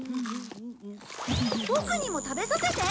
ボクにも食べさせて。